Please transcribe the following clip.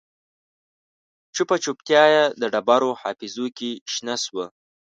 چوپه چوپتیا یې د ډبرو حافظو کې شنه شوه